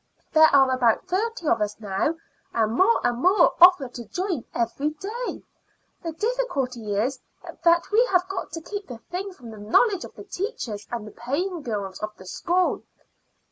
There are about thirty of us now, and more and more offer to join every day. The difficulty is that we have got to keep the thing from the knowledge of the teachers and the paying girls of the school.